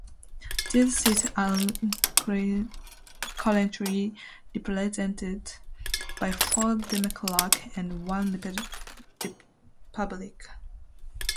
These seats are currently represented by four Democrats and one Republican.